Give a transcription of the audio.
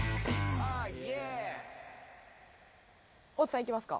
大津さんいきますか？